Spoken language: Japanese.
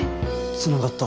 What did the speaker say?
つながった。